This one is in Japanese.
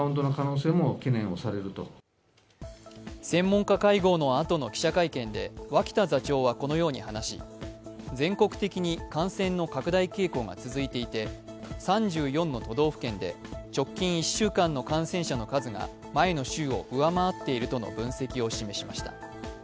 専門家会合のあとの記者会見で脇田座長はこのように話し全国的に感染の拡大傾向が続いていて３４の都道府県で直近１週間の感染者の数が前の週を上回っているとの分析を示しました。